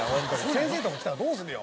先生とか来たらどうするよ。